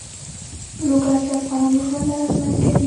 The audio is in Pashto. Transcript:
لوگر د افغانانو ژوند اغېزمن کوي.